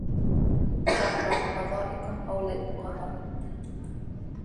بعض بغضائكم أولى البغضاء